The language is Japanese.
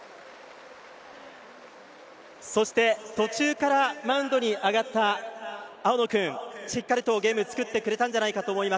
そして途中からマウンドに上がった青野君はしっかりとゲームを作ってくれたと思います。